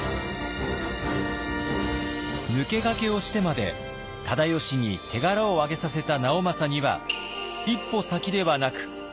抜け駆けをしてまで忠吉に手柄をあげさせた直政には一歩先ではなく二歩先。